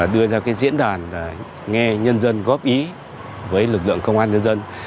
đưa ra diễn đàn nghe nhân dân góp ý với lực lượng công an nhân dân